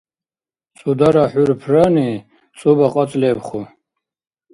ЦӀудара хӀурпрани цӀуба кьацӀ лебху.